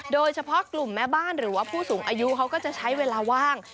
โดยเฉพาะกลุ่มแม่บ้านหรือว่าผู้สูงอายุเขาก็จะใช้เวลาว่าง